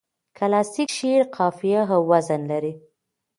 کلاسیک شعر قافیه او وزن لري.